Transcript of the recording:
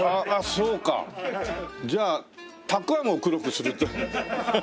そうかじゃあたくあんを黒くするってハハハッ。